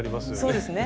そうですね。